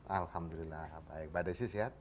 alhamdulillah baik bagaimana sih sehat